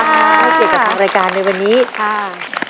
เกี่ยวกับรายการในวันนี้ค่ะ